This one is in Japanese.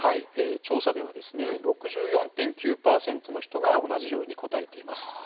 調査ではですね６４．９％の人が同じように答えています。